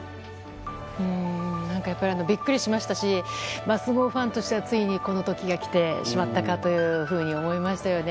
やっぱりビックリしましたし相撲ファンとしてはついにこの時が来てしまったかと思いましたよね。